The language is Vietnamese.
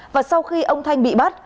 và sau khi ông thanh bị bắt